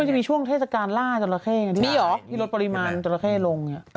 มันจะมีช่วงเทศกาลล่าจอลาเค้ที่รถปริมาณจอลาเค้ลง